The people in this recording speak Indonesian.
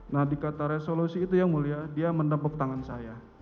nah di kata resolusi itu yang mulia dia mendapuk tangan saya